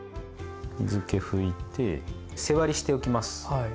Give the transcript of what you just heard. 水け拭いて背割りしておきます。